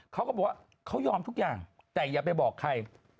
เขาก็บอกว่าเขายอมทุกอย่างแต่อย่าไปบอกใคร